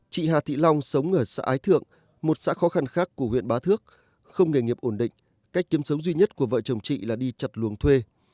chị hà thị long sống ở xã ái thượng một xã khó khăn khác của huyện bá thước không nghề nghiệp ổn định cách kiếm sống duy nhất của vợ chồng chị là đi chặt luồng thuê